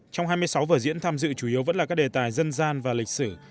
trong hai mươi sáu vở diễn tham dự chủ yếu vẫn là các đề tài dân gian và lịch sử